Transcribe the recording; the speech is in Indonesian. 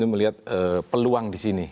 melihat peluang di sini